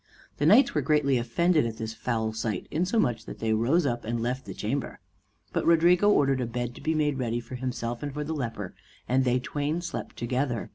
The knights were greatly offended at this foul sight, insomuch that they rose up and left the chamber. But Rodrigo ordered a bed to be made ready for himself and for the leper, and they twain slept together.